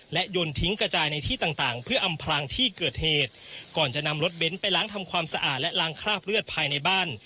และยนต์ทิ้งกระจายในที่ต่างต่างเพื่ออำพลางที่เกิดเหตุก่อนจะนำรถเบ้นไปล้างทำความสะอาดและล้างคราบเลือดภายในบ้าน